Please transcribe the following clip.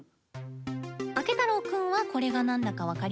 あけ太郎くんはこれが何だかわかりますよね？